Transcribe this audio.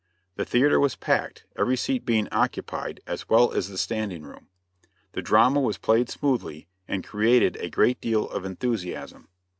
The theater was packed, every seat being occupied as well as the standing room. The drama was played smoothly, and created a great deal of enthusiasm.